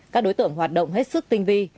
các đối tượng hoạt động hết sức tinh vi